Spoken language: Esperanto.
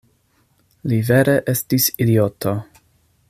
Li vere estis idioto!